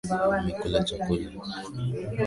Nimekula chakula.